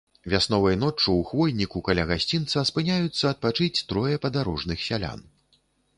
Вясновай ноччу ў хвойніку каля гасцінца спыняюцца адпачыць трое падарожных сялян.